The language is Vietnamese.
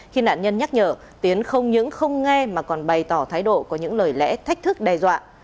khi nạn nhân nhắc nhở tiến không những không nghe mà còn bày tỏ thái độ có những lời lẽ thách thức đe dọa